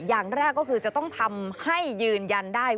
อย่างแรกก็คือจะต้องทำให้ยืนยันได้